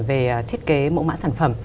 về thiết kế mẫu mã sản phẩm